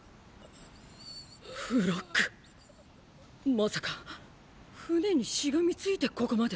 まさか船にしがみついてここまで。